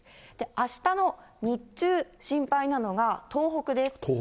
明日の日中心配なのが東北です。